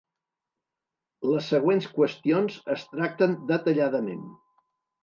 Les següents qüestions es tracten detalladament.